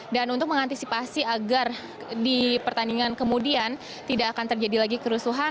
dan untuk mengantisipasi agar di pertandingan kemudian tidak akan terjadi lagi kerusuhan